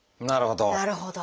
なるほど。